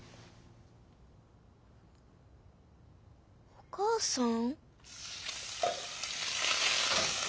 お母さん？